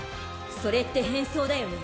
それって変装だよね？